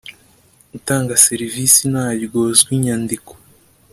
utanga serivisi ntaryozwa inyandiko.